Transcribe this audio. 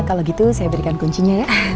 kalau gitu saya berikan kuncinya ya